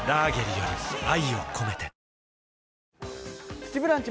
「プチブランチ」